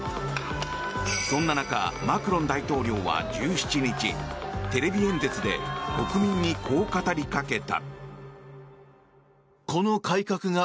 そんな中マクロン大統領は１７日テレビ演説で国民にこう語りかけた。